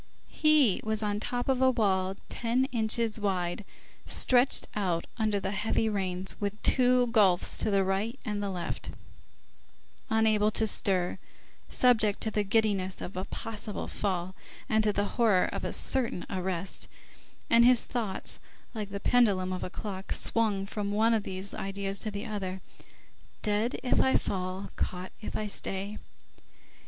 He was on top of a wall ten inches wide, stretched out under the heavy rains, with two gulfs to right and left, unable to stir, subject to the giddiness of a possible fall, and to the horror of a certain arrest, and his thoughts, like the pendulum of a clock, swung from one of these ideas to the other: "Dead if I fall, caught if I stay."